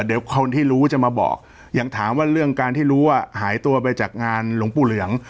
เดี๋ยวคนที่รู้จะมาบอกอย่างถามว่าเรื่องการที่รู้ว่าหายตัวไปจากงานหลวงปู่เหลือง